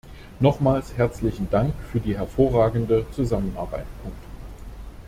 Nochmals herzlichen Dank für die hervorragende Zusammenarbeit.